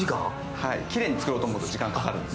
はい、きれいに作ろうと思うと時間がかかるんです。